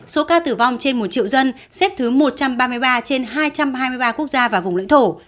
số ca tử vong trên một triệu dân xếp thứ một trăm ba mươi ba trên hai trăm hai mươi ba quốc gia và vùng lãnh thổ